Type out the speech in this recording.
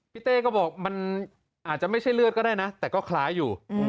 เต้ก็บอกมันอาจจะไม่ใช่เลือดก็ได้นะแต่ก็คล้ายอยู่